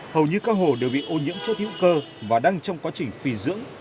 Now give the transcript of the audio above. hầu như các hồ đều bị ô nhiễm cho thiếu cơ và đang trong quá trình phì dưỡng